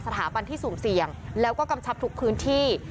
สถาบันที่สุ่มเสี่ยงแล้วก็กำชับทุกพื้นที่